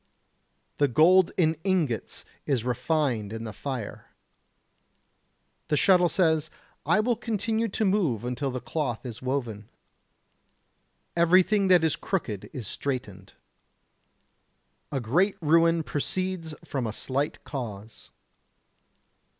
The gold in ingots is refined in the fire. The shuttle says: I will continue to move until the cloth is woven. Everything that is crooked is straightened. Great ruin proceeds from a slight cause.